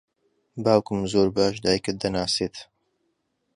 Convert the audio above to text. باوکم زۆر باش دایکت دەناسێت.